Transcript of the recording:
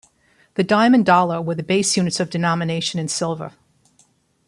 The dime and dollar were the base-units of denomination in silver.